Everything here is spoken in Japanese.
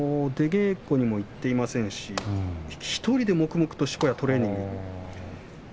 稽古にも行っていませんし１人で黙々としこやトレーニング。